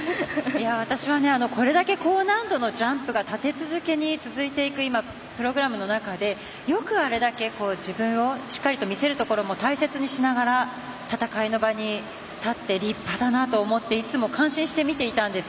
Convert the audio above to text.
私はこれだけ高難度のジャンプが立て続けに続いていくプログラムの中でよくあれだけ自分をしっかりと見せるところも大切にしながら戦いの場に立って立派だなと思っていつも感心して見ていたんです。